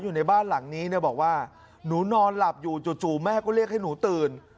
อยู่ในบ้านหลังนี้เนี่ยบอกว่าหนูนอนหลับอยู่จู่แม่ก็เรียกให้หนูตื่น